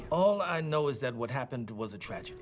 semua yang saya tahu adalah bahwa apa yang terjadi adalah tragedi